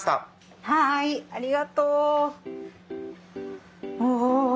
はいありがとう。お。